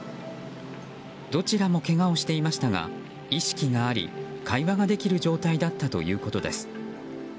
どちらもけがをしていましたが意識があり会話ができる状態だったということです。